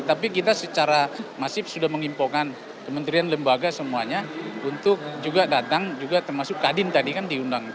tapi kita secara masif sudah mengimpokan kementerian lembaga semuanya untuk juga datang juga termasuk kadin tadi kan diundang